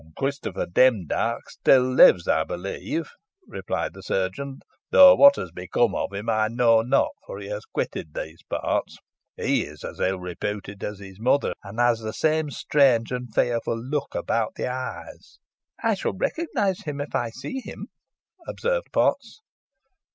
"Christopher Demdike still lives, I believe," replied the chirurgeon, "though what has become of him I know not, for he has quitted these parts. He is as ill reputed as his mother, and has the same strange and fearful look about the eyes." "I shall recognise him if I see him," observed Potts.